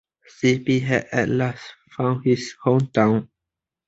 Zippy had, at last, found his home town.